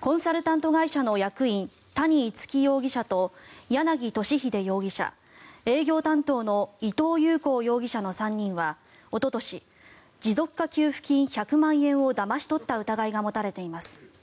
コンサルタント会社の役員谷逸輝容疑者と柳俊秀容疑者、営業担当の伊藤勇孝容疑者の３人はおととし持続化給付金１００万円をだまし取った疑いが持たれています。